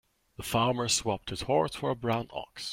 The farmer swapped his horse for a brown ox.